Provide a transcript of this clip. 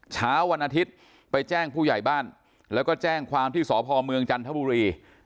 เช้าวันอาทิตย์ไปแจ้งผู้ใหญ่บ้านแล้วก็แจ้งความที่สพเมืองจันทบุรี